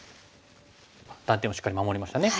断点をしっかり守りましたね。